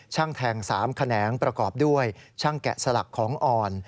แทง๓แขนงประกอบด้วยช่างแกะสลักของอ่อน